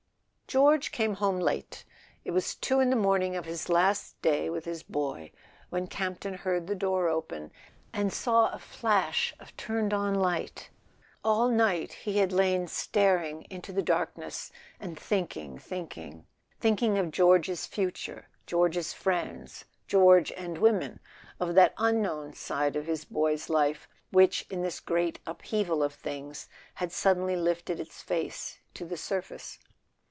George came home late. It was two in the morning of his last day with his boy when Campton heard the door open, and saw a flash of turned on light. All night he had lain staring into the darkness, and thinking, thinking: thinking of George's future, George's friends., George and women, of that unknown side of his boy's life which, in this great upheaval of things, had suddenly lifted its face to the surface.